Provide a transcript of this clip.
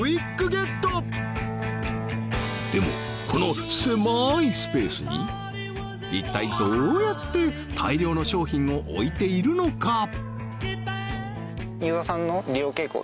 この狭いスペースに一体どうやって大量の商品を置いているのか？